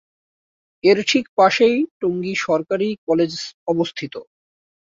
এর ঠিক পাশেই টঙ্গী সরকারি কলেজ অবস্থিত।